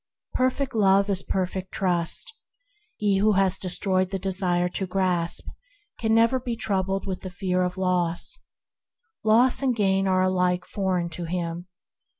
Perfect Love is perfect Trust. He who has destroyed the desire to grasp can never be troubled with the fear of loss. Loss and gain are alike foreign to him.